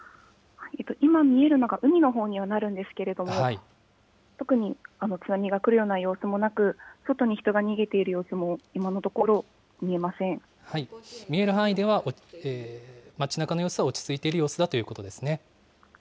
今、見えるのが海のほうにはなるんですけれども、特に津波が来るような様子はなく、外に人が逃げているような様子も、見える範囲では、街なかの様子は落ち着いている様子だということですね。